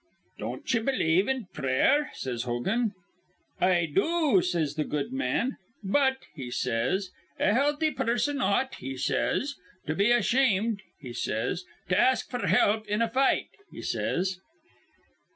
'Don't ye believe in prayer?' says Hogan. 'I do,' says th' good man; 'but,' he says, 'a healthy person ought,' he says, 'to be ashamed,' he says, 'to ask f'r help in a fight,' he says."